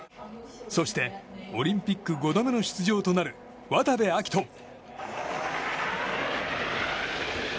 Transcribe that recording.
そしてオリンピック５度目の出場となる渡部暁斗。